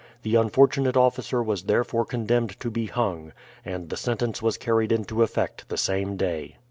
The unfortunate officer was therefore condemned to be hung, and the sentence was carried into effect the same day.